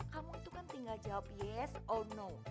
kamu itu kan tinggal jawab yes on no